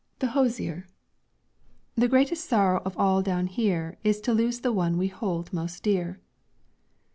THE HOSIER "The greatest sorrow of all down here, Is to lose the one we hold most dear."